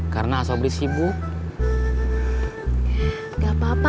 kamu biar bersenang karena